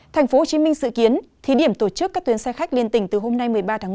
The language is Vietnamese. tp hcm dự kiến thí điểm tổ chức các tuyến xe khách liên tình từ hôm nay một mươi ba một mươi